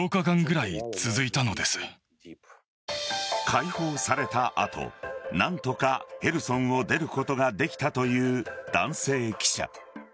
解放された後、何とかヘルソンを出ることができたという男性記者。